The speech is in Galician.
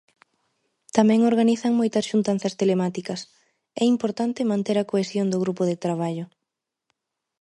Tamén organizan moitas xuntanzas telemáticas, é importante manter a cohesión do grupo de traballo.